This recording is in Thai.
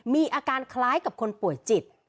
มีอาการคล้ายกับคนป่วยจิต